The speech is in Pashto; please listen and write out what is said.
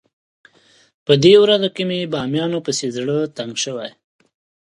په دې ورځو کې مې بامیانو پسې زړه تنګ شوی.